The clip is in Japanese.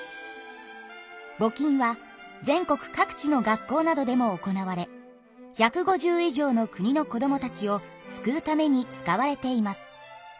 ぼ金は全国各地の学校などでも行われ１５０以上の国の子どもたちを救うために使われています。